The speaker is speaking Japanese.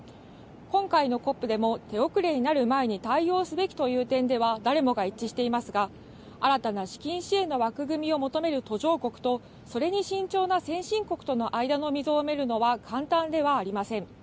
今回のＣＯＰでも、手遅れになる前に対応すべきという点では、誰もが一致していますが、新たな資金支援の枠組みを求める途上国と、それに慎重な先進国との間の溝を埋めるのは簡単ではありません。